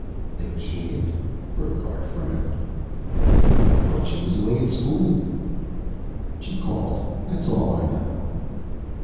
"The kid?" Burckhardt frowned. "I thought she was away at school." "She called, that's all I know."